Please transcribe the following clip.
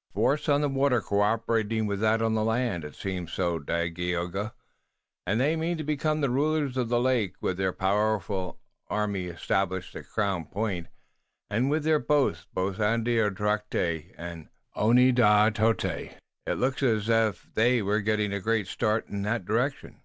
"A force on the water coöperating with that on land?" "It seems so, Dagaeoga." "And they mean to become the rulers of the lakes! With their army powerfully established at Crown Point, and their boats on both Andiatarocte and Oneadatote, it looks as if they were getting a great start in that direction."